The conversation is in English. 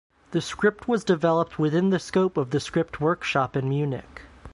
The script was developed within the scope of the script workshop in Munich.